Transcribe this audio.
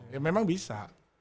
ya memang bisa